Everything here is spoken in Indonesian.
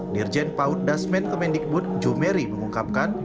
dirjen paud dasmen kemendikbud jumeri mengungkapkan